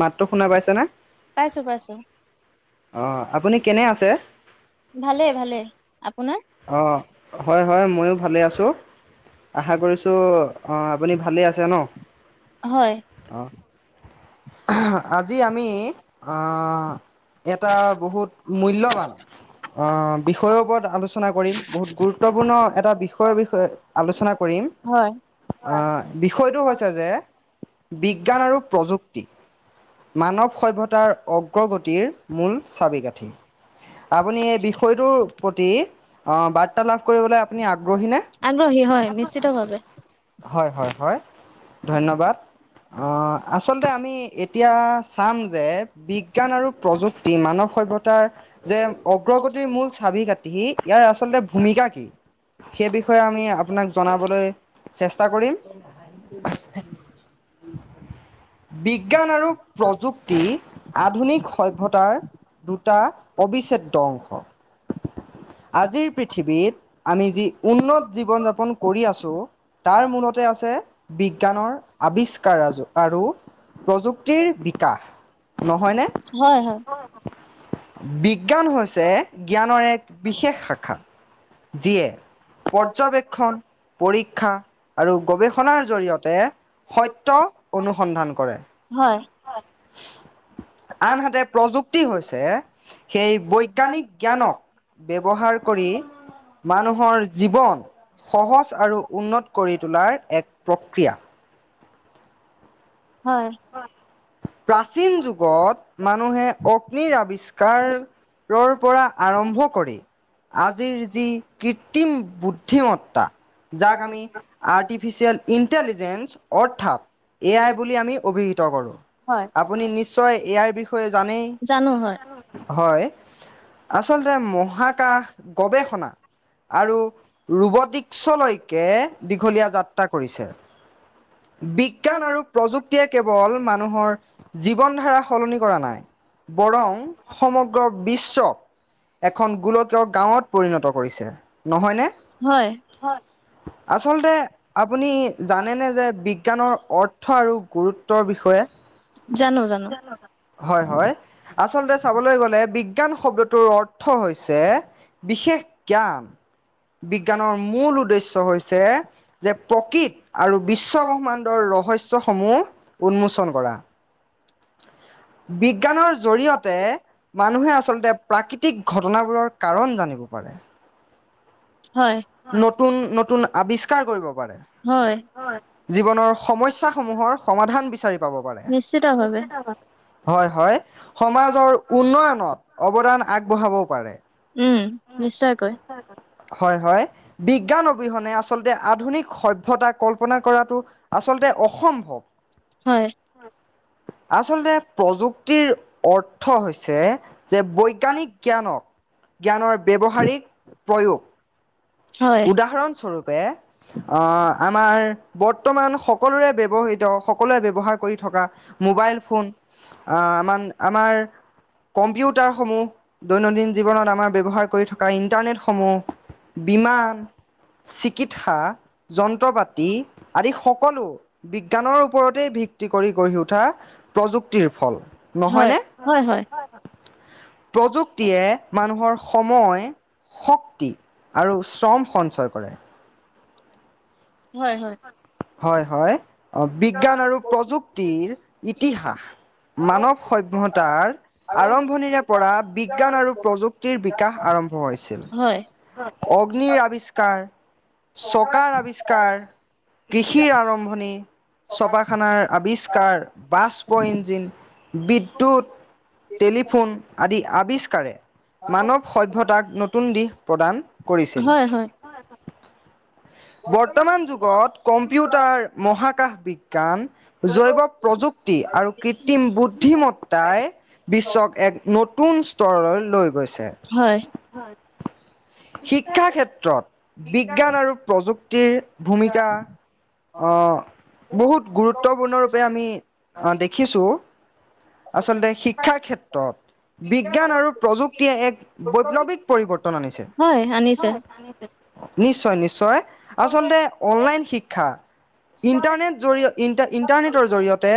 মাতটো শুনা পাইছে নে? পাইছো পাইছো। অ' আপুনি কেনে আছে? ভালেই ভালেই আপোনাৰ? অ, হয় হয় ময়ো ভালে আছো, আশা কৰিছো অ, আপুনি ভালেই আছে ন? হয়। অ আজি আমি অ এটা বহুত মূলবান অ বিষয়ৰ ওপৰত আলোচ না কৰিম বহুত গুৰুত্বপূৰ্ণ এটা বিষয় বিষয়ে আলোচনা কৰিম। হয় অ বিষয়টো হৈছে যে বিজ্ঞান আৰু প্ৰযুক্তি। মানৱ সভ্যতাৰ অগ্ৰগতিৰ মূল চাবিকাঠি। আপুনি এই বিষয়টোৰ প্ৰতি আহ বাৰ্তালাভ কৰিবলৈ আপুনি আগ্ৰহী নে? আগ্ৰহী হয় নিশ্চিতভাৱে। হয় হয় হয় ধন্যবাদ অ আচলতে আমি এ এতিয়া চাম যে বিজ্ঞান আৰু প্ৰযুক্তি মানৱ সভ্যতাৰ যে অগ্ৰগতিৰ মূল চাবি-কাঠি ইয়াৰ আচলতে ভূমিকা কি? সেই বিষয়ে আমি আপোনাক জনাবলৈ চেষ্টা কৰিম বিজ্ঞান আৰু প্ৰযুক্তি আধুনিক সভ্যতাৰ দুটা অবিচ্ছেদ্য অংশ আজিৰ পৃথিৱীত আমি যি উন্নত জীৱন-যাপন কৰি আছোঁ তাৰ মূলতে আছে বিজ্ঞানৰ আৱিষ্কাৰ আজো আৰু প্ৰযুক্তিৰ বিকাশ নহয়নে হয় হয় বিজ্ঞান হৈছে জ্ঞানৰ এক বিশেষ শাখা যিয়ে পৰ্যবেক্ষণ, পৰীক্ষা আৰু গৱেষণাৰ জৰিয়তে সত্য অনুসন্ধান কৰে হয় হয় আনহাতে প্ৰযুক্তি হৈছে সেই বৈজ্ঞানিক জ্ঞানক ব্যৱহাৰ কৰি মানুহৰ জীৱন সহজ আৰু উন্নত কৰি তোলাৰ এক প্ৰক্ৰিয়া হয় প্ৰাচীন যুগত মানুহে অগ্নিৰ আৱিষ্কাৰ ৰ পৰা আৰম্ভ কৰি আজিৰ যি কৃত্ৰিম বুদ্ধিমত্তা যাক আমি আৰ্টিফিচিয়েল ইণ্টেলিজেঞ্চ অৰ্থাৎ এ আই বুলি আমি অভিহিত কৰোঁ, হয় আপুনি নিশ্চয় ইয়াৰ বিষয়ে জানেই জানো হয় হয় আচলতে মহাকাশ গৱেষণা আৰু ৰুবটিকছলৈকে দীঘলীয়া যাত্ৰা কৰিছে বিজ্ঞান আৰু প্ৰযুক্তিয়ে কেৱল মানুহৰ জীৱন ধাৰা সলনি কৰা নাই বৰং সমগ্ৰ বিশ্বক এখন গোলকীয় গাঁৱত পৰিণত কৰিছে, নহয়নে? হয় আচলতে আপুনি জানেনে যে বিজ্ঞানৰ অৰ্থ আৰু গুৰুত্বৰ বিষয়ে? জানো জানো হয় হয় আচলতে চাবলৈ গ'লে বিজ্ঞান শব্দটোৰ অৰ ৰ্থ হৈছে বিশেষ জ্ঞান বিজ্ঞানৰ মূল উদ্দেশ্য হৈছে যে প্ৰকৃত আৰু বিশ্ব ব্ৰহ্মাণ্ডৰ ৰস শস্যসমূহ উন্মোচন কৰা। বিজ্ঞানৰ জৰিয়তে মানুহে আচলতে প্ৰাকৃতিক ঘটনাবোৰৰ কাৰণ জানিব পাৰে। হয়, নতুন নতুন আৱিষ্কাৰ কৰিব পাৰে। হয়। জীৱনৰ সমস্যা সমূহৰ সমাধান বিচাৰি পাব পাৰে। নিশ্চিতভাৱে হয়, হয়, সমাজৰ উন্নয়নত অৱদান আগবঢ়াবও পাৰে। উম, নিশ্চয়কৈ। হয়, হয়, বিজ্ঞান অবিহনে আচলতে আধুনিক সভ্যতা কল্পনা কৰাটো আচলতে অসম্ভৱ। হয় আচলতে প্ৰযুক্তিৰ অৰ্থ হৈছে যে বৈজ্ঞানিক জ্ঞানক জ্ঞানৰ ব্যৱহাৰিক প্ৰয়োগ। হয় উদাহৰণস্বৰূপে অ, আমাৰ বৰ্তমান সকলোৰে ব্যৱহৃত, সকলোৱে ব্যৱহাৰ কৰি থকা মোবাইল ফোন, আ, আমাৰ কম্পিউটাৰসমূহ দৈনন্দিন জীৱনত আমাৰ ব্যৱহাৰ কৰি থকা ইণ্টাৰনেটসমূহ, বিমান, চিকিৎসা যন্ত্ৰ-পাতি আদি সকলো বিজ্ঞানৰ ওপৰতেই ভিত্তি কৰি গঢ়ি উঠা প্ৰযুক্তিৰ ফল, হয় নহয়নে! হয় হয় প্ৰযুক ক্তিয়ে মানুহৰ সময়, শক্তি আৰু শ্ৰম সঞ্চয় কৰে। হয়, হয়। হয়, হয়, বিজ্ঞান আৰু প্ৰযুক্তিৰ ইতিহাস মানৱ সভ্যতাৰ আৰম্ভণিৰে পৰা বিজ্ঞান আৰু প্ৰযুক্তিৰ বিকাশ আৰম্ভ হৈছিল। হয় অগ্নিৰ আৱিষ্কাৰ, চকাৰ আৱিষ্কাৰ কৃষিৰ আৰম্ভণি চপাখানাৰ আৱিষ্কাৰ, বাছ পইণ্ট [unintelligible] বিদ্যুৎ, টেলিফোন আদি আৱিষ্কাৰে মানৱ সভ্যতাক নতুন দিশ প্ৰদান কৰিছিল। হয় হয় বৰ্তমান যুগত কম্পিউটাৰ, মহাকাশ বিজ্ঞান জৈৱ প্ৰযুক্তি আৰু কৃত্ৰিম বুদ্ধিমত্তাই বিশ্বক এক নতুন স্তৰলৈ লৈ গৈছে। হয়। শিক্ষা ক্ষেত্ৰত বিজ্ঞান আৰু প্ৰযুক্তিৰ ভূমিকা অ, বহুত গুৰুত্বপূৰ্ণৰূপে আমি দেখিছো। আচলতে শিক্ষাৰ ক্ষেত্ৰত বিজ্ঞান আৰু প্ৰযুক্তিয়ে এক বৈপ্লৱিক পৰিৱৰ্তন আনিছে। হয় আনিছে হয়, আনিছে। নিশ্চয়, নিশ্চয়। আচলতে অনলাইন শিক্ষা ইণ্টাৰনেট জৰি ইন, ইন্টাৰনেটৰ জৰিয়তে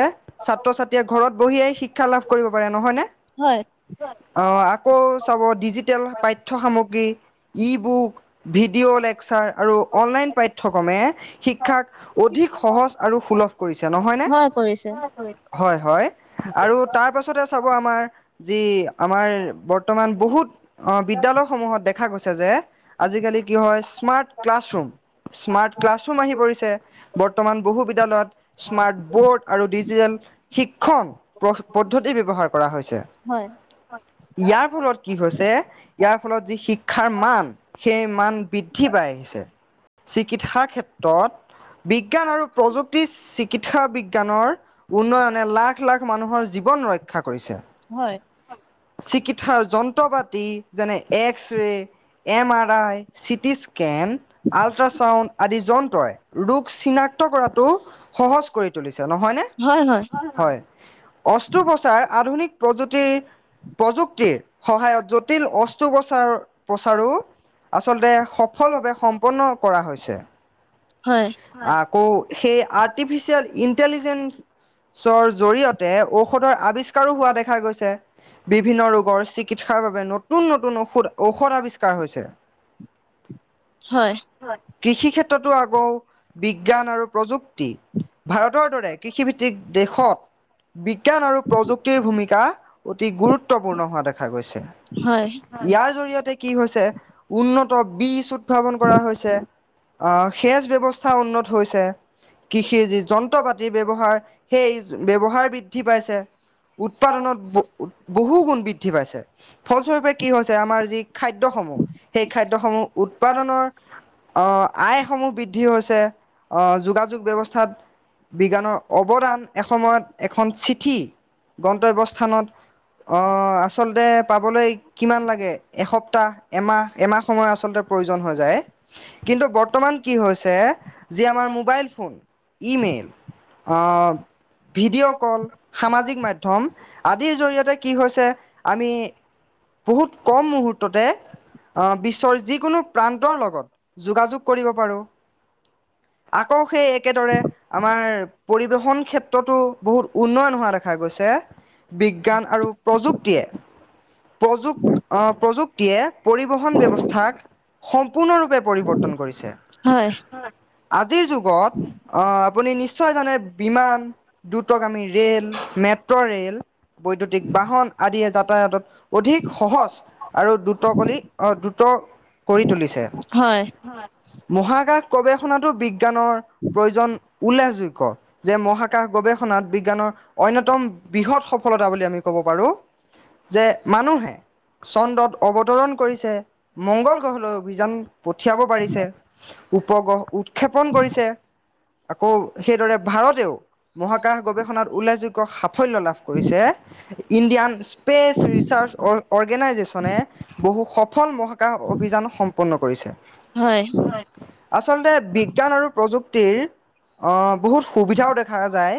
ছাত্ৰ-ছাত্ৰীয়ে ঘৰত বহিয়ে শিক্ষা লাভ কৰিব পাৰে, নহয়নে! হয় অ, আকৌ চাব, ডিজিটেল পাই ঠ্য সামগ্ৰী, ই বুক, ভিডিঅ লেকচাৰ আৰু অনলাইন পাঠ্যক্ৰমে শিক্ষাক অধিক সহজ আৰু সুলভ কৰিছে, নহয়নে! হয় কৰিছে হয়, হয়, আৰু তাৰ পাছতে চাব আমাৰ যি আমাৰ বৰ্তমান বহুত বিদ্যালয়সমূহত দেখা গৈছে যে আজিকালি কি হয় স্মাৰ্ট ক্লাছৰুম। স্মাৰ্ট ক্লাছৰুম আহি পৰিছে বৰ্তমান বহু বিদ্যালয়ত স্মাৰ্ট বৰ্ড। আৰু ডিজিটেল শিক্ষণ পদ্ধতি ব্যৱহাৰ কৰা হৈছে। হয় ইয়াৰ ফলত কি হৈছে ইয়াৰ ফলত যি শিক্ষাৰ মান। সেই মান বৃদ্ধি পাই আহিছে। চিকিৎসা ক্ষেত্ৰত বিজ্ঞান আৰু প্ৰযুক্তি চিকিৎসা বিজ্ঞানৰ। উন্নয়নে লাখ, লাখ মানুহৰ জীৱন ৰক্ষা কৰিছে। হয় চিকিৎসাৰ যন্ত্ৰ পাতি যেনে X ray, M R I. CT scan, ultrasound, আদি যন্ত্ৰই ৰোগ চিনাক্ত কৰাটো। সহজ কৰি তুলিছে নহয় নে, হয় হয় হয় অস্ত্ৰোপচাৰ আধুনিক। প্ৰযুতি প্ৰযুক্তিৰ, সহায়ত জটিল অস্ত্ৰোপ্ৰচাৰ প্ৰচাৰো। আচলতে সফলভাৱে সম্পন্ন কৰা হৈছে। হয় আকৌ সেই আৰ্টিফিচিয়েল ইণ্টেলিজেঞ্চ। [unintelligible] জৰিয়তে ঔষধৰ আৱিষ্কাৰো হোৱা দেখা গৈছে বিভিন্ন ৰোগৰ চিক চিকিৎসাৰ বাবে নতুন, নতুন ঔষধ, ঔষধ আৱিষ্কাৰ হৈছে। হয় কৃষি ক্ষেত্ৰতো আকৌ বিজ্ঞান আৰু। প্ৰযুক্তি ভাৰতৰ দৰে কৃষিভিত্তিক দেশত। বিজ্ঞান আৰু প্ৰযুক্তিৰ ভূমিকা অতি গুৰুত্বপূৰ্ণ হোৱা দেখা গৈছে। হয় ইয়াৰ জৰিয়তে কি হৈছে উন্নত বিচ উদ্ভাৱন কৰা হৈছে, সেউজ ব্যৱস্থা উন্নত হৈছে। কৃষিৰ যি যন্ত্ৰ পাতিৰ ব্যৱহাৰ সেই ব্যৱহাৰ বৃদ্ধি পাইছে। উৎপাদনত ব-বহু গুণ বৃধ দ্ধি পাইছে ফলস্বৰূপে কি হৈছে আমাৰ যি খাদ্যসমূহ সেই খাদ্যসমূহ উৎ উৎপাদনৰ আয়সমূহ বৃদ্ধি হৈছে যোগাযোগ ব্যৱস্থাত। বিজ্ঞানৰ অৱদান এসময়ত এখন চিঠি গন্তব্যস্থানত। অ' আচলতে পাবলৈ কিমান লাগে এক সপ্তাহ, এমাহ, এমাহ সময় আচলতে প্ৰয়োজন হৈ যায় কিন্তু বৰ্তমান কি হৈছে যি আমাৰ মোবাইল ফোন। ই'মেইল, আ' ভিডিঅ' কল, সামাজিক মধ্য [unintelligible] আদিৰ জৰিয়তে কি হৈছে আমি। বহুত কম মুহূৰ্ততে বিশ্বৰ যিকোনো প্ৰান্তৰ লগত যোগাযোগ কৰিব পাৰোঁ, আকৌ সেই একেদৰে। আমাৰ পৰিৱহণ ক্ষেত্ৰতো বহুত উন্নয়ন হোৱা দেখা গৈছে। বিজ্ঞান আৰু প্ৰযুক্তিয়ে। প্ৰযুক অ' প্ৰযুক্তিয়ে পৰিবহণ ব্যৱস্থাক সম্পূৰ্ণৰূপে পৰিৱৰ্তন কৰিছে। হয় আজিৰ যুগত অ' আপুনি নিশ্চয় জানে বিমান। দুটক আমি ৰে'ল মেট ৰে'ল বৈদ্যুতিক বাহন আদিয়ে যাতায়াতত অধিক সহজ আৰু দ্ৰুত কলি অ' দ্ৰুত কৰি তুলিছে হয়। মহাকাশ গৱেষণাটো বিজ্ঞানৰ। প্ৰয়োজন উল্লেখযোগ্য। যে মহাকাশ গৱেষ ষণাত বিজ্ঞানৰ অন্যতম বৃহৎ সফলতা বুলি আমি ক'ব পাৰোঁ যে মানুহে চন্দ্ৰত অৱতৰণ কৰিছে মংগল গ্ৰহলৈ অভিযান। পঠিয়াব পাৰিছে উপগ্ৰহ উৎক্ষেপণ কৰিছে। আকৌ সেইদৰে ভাৰতেও মহাকাশ গৱেষণাত উল্লেখযোগ্য সাফল্য লাভ কৰিছে। ইণ্ডিয়ান স্পেচ ৰিচাৰ্চ অৰ্গেনাইজেশ্যনে বহু সফল মহাকাশ অভিযান সম্পন্ন কৰিছে। হয় হয় আচলতে বিজ্ঞান আৰু প্ৰযুক্তিৰ অ, বহুত সুবিধাও দেখা যায়,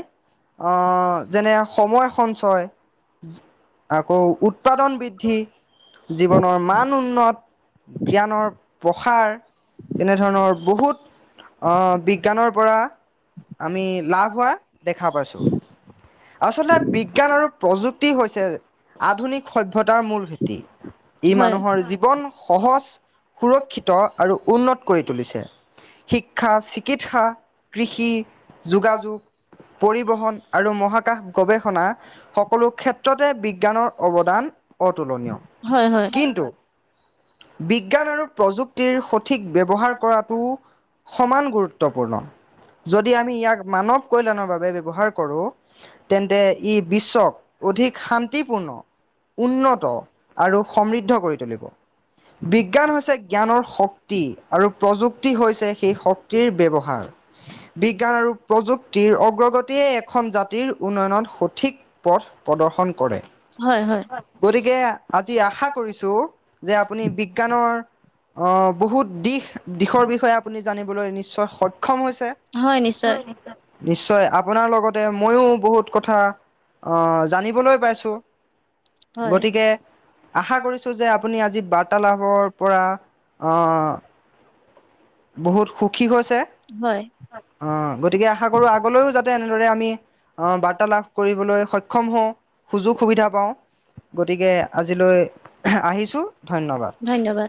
যেনে সময় সঞ্চয় আকৌ উৎপাদন বৃদ্ধি, জীৱনৰ মান উন্নত জ্ঞানৰ প্ৰসাৰ তেনেধৰণৰ বহুত বিজ্ঞানৰ পৰা আমি লাভ হোৱা দেখা পাইছোঁ। আচলতে বিজ্ঞান আৰু প্ৰযুক্তি হৈছে আধুনিক সভ্যতাৰ মূল ভেটি। ই মানুহৰ জীৱন সহজ, সুৰক্ষিত আৰু উন্নত কৰি তুলিছে। শিক্ষা, চিকিৎসা, কৃষি, যোগাযোগ। পৰিবহণ আৰু মহাকাশ গৱেষণা সকলো ক্ষেত্ৰতে বিজ্ঞানৰ অৱদান অতুলনীয়। হয় হয়। কিন্তু বিজ্ঞান আৰু প্ৰযুক্তিৰ সঠিক ব্যৱহাৰ কৰাটো সমান গুৰুত্বপূৰ্ণ। যদি আমি ইয়াক মানৱ কল্যাণৰ বাবে ব্যৱহাৰ কৰোঁ তেন্তে ই বিশ্বক অধিক শান্তিপূৰ্ণ, উন্নত আৰু সমৃদ্ধ কৰি তুলিব। বিজ্ঞান হৈছে জ্ঞানৰ শক্তি আৰু প্ৰযুক্তি হৈছে সেই শক্তিৰ ব্যৱহাৰ। বিজ্ঞান আৰু প্ৰযুক্তিৰ অগ্ৰগতিয়ে এখন জাতিৰ উন্নয়নত সঠিক পথ প্ৰদৰ্শন কৰে হয় হয় গতিকে আজি আশা কৰিছো যে আপুনি বিজ্ঞানৰ আহ, বহুত দিশ দিশৰ বিষয়ে আপুনি জানিবলৈ নিশ্চয় সক্ষম হৈছে। হয় নিশ্চয় নিশ্চয় আপোনাৰ লগতে মইও বহুত কথা অ', জানিবলৈ পাইছোঁ। হয় গতিকে আশা কৰিছোঁ যে, আপুনি আজি বাৰ্তালাপৰ পৰা আহ বহুত সুখী হৈছে। হয়। অ', গতিকে আশা কৰো আগলৈও যাতে এনেদৰে আমি আহ, বাৰ্তালাভ কৰিবলৈ সক্ষম হওঁ সুযোগ সুবিধা পাওঁ। গতিকে আজিলৈ আহিছোঁ, ধন্যবাদ। ধন্যবাদ